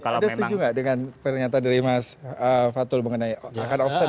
ada setuju gak dengan pernyataan dari mas fatul mengenai akan off set